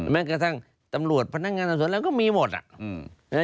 แม้กระทั่งตำรวจพนักงานสอบสวนเราก็มีหมดอ่ะ